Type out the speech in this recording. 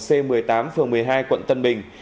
c một mươi tám phường một mươi hai quận tân bình